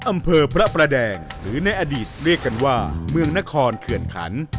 อำเภอพระประแดงหรือในอดีตเรียกกันว่าเมืองนครเขื่อนขัน